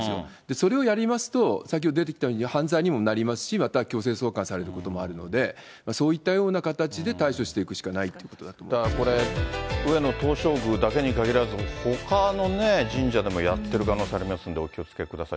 それをやりますと先ほど出てきたように、犯罪にもなりますし、また強制送還されることもあるので、そういったような形で対処していくしかないということだと思いまだからこれ、上野東照宮だけに限らず、ほかのね、神社でもやってる可能性ありますんで、お気をつけください。